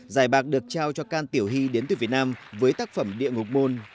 giải bạc được trao cho can tiểu hy đến từ việt nam với tác phẩm địa ngục môn